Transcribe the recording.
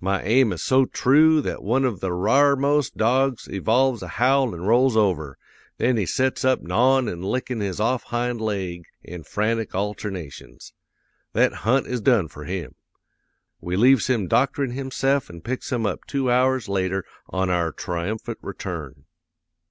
My aim is so troo that one of the r'armost dogs evolves a howl an' rolls over; then he sets up gnawin' an' lickin' his off hind laig in frantic alternations. That hunt is done for him. We leaves him doctorin' himse'f an' picks him up two hours later on our triumphant return.